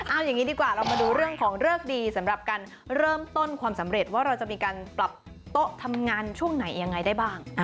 เอาอย่างนี้ดีกว่าเรามาดูเรื่องของเลิกดีสำหรับการเริ่มต้นความสำเร็จว่าเราจะมีการปรับโต๊ะทำงานช่วงไหนยังไงได้บ้าง